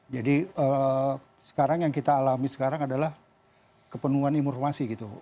jadi sekarang yang kita alami sekarang adalah kepenuhan informasi gitu